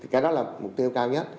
cái đó là mục tiêu cao nhất